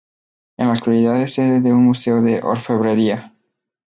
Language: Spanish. En la actualidad es sede de un museo de orfebrería.